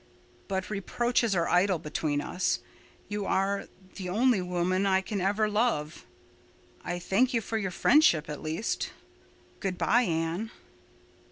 But reproaches are idle between us. You are the only woman I can ever love. I thank you for your friendship, at least. Good bye, Anne."